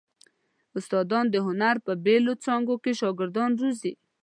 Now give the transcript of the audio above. استادان د هنر په بېلو څانګو کې شاګردان روزي.